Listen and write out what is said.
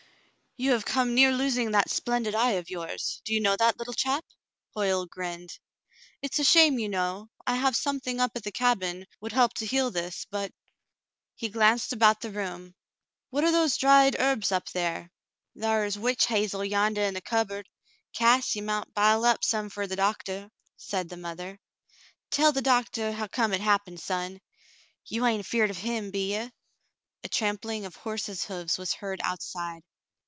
"You have come near losing that splendid eye of yours, do you know that, little chap V Hoyle grinned. "It's a shame, you know. I have something up at the cabin would help to heal this, but —" he glanced about the room —" What are those dried herbs up there V^ " Thar is witch hazel yandah in the cupboard. Cass, ye mount bile some up fer th' doctah," said the mother. "Tell th' doctah hu come hit happened, son; you hain't af eared of him, be ye?" x\ trampling of horse's hoofs was heard outside.